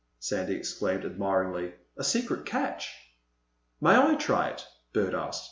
Sandy exclaimed admiringly. "A secret catch!" "May I try it?" Bert asked.